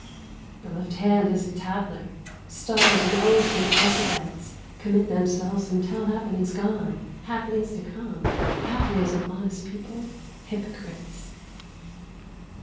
The left hand is a tattler; stars and oaths and alphabets Commit themselves and tell happenings gone, happenings to come, pathways of honest people, hypocrites.